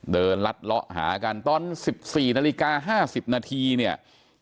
ลัดเลาะหากันตอน๑๔นาฬิกา๕๐นาทีเนี่ย